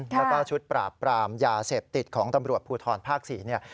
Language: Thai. แล้วก็ชุดปราบปรามยาเสพติดของตำรวจภูทรภาค๔เนี่ย